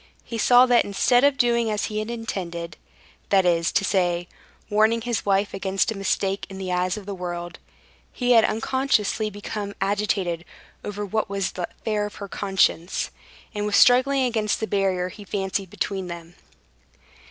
He saw that instead of doing as he had intended—that is to say, warning his wife against a mistake in the eyes of the world—he had unconsciously become agitated over what was the affair of her conscience, and was struggling against the barrier he fancied between them.